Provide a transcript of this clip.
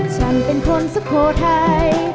ฉันเป็นคนสุโขทัย